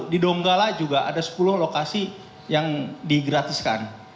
di donggala juga ada sepuluh lokasi yang digratiskan